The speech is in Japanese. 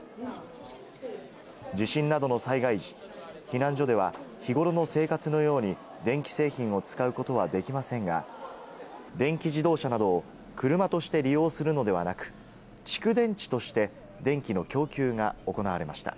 地震などの災害時、避難所では日頃の生活のように電気製品を使うことはできませんが電気自動車などを車として利用するのではなく蓄電池として電気の供給が行われました。